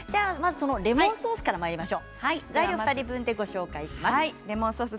レモンソースからまいりましょう材料２人分でご紹介します。